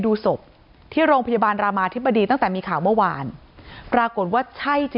ดูศพที่โรงพยาบาลรามาธิบดีตั้งแต่มีข่าวเมื่อวานปรากฏว่าใช่จะ